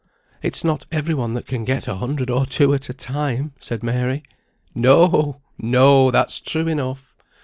"It's not every one that can get a hundred or two at a time," said Mary. "No! no! that's true enough.